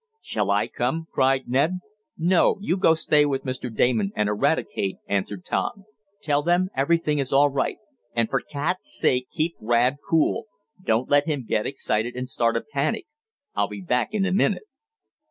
"Shall I come?" cried Ned. "No, you go stay with Mr. Damon and Eradicate," answered Tom. "Tell them everything is all right. And for cats' sake keep Rad cool. Don't let him get excited and start a panic. I'll be back in a minute."